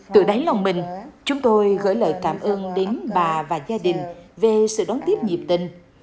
từ đáy lòng mình chúng tôi gửi lời cảm ơn đến bà và gia đình về sự đón tiếp nhiệm tình